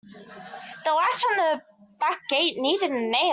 The latch on the back gate needed a nail.